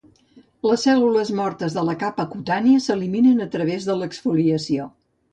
Les cèl·lules mortes de la capa cutània s'eliminen a través de l'exfoliació.